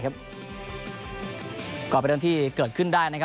ก็เป็นเรื่องที่เกิดขึ้นได้